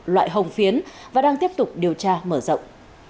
loại hồng phiến và đang tiếp tục điều tra mở rộng